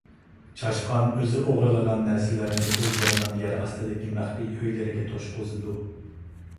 چاشقان ئۆزى ئوغرىلىغان نەرسىلەرنى ئۆزلىرىنىڭ يەر ئاستىدىكى مەخپىي ئۆيلىرىگە توشقۇزىدۇ.